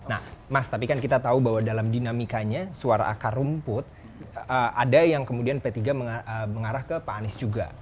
nah mas tapi kan kita tahu bahwa dalam dinamikanya suara akar rumput ada yang kemudian p tiga mengarah ke pak anies juga